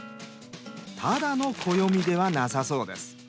ただの暦ではなさそうです。